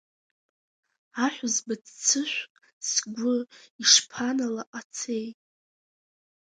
Аҳәызба ццышә сгәы ишԥаналаҟацеи.